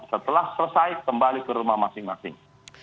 setelah selesai kembali ke rumah masing masing